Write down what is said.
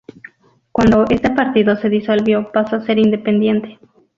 Cuando este partido se disolvió, pasó a ser independiente.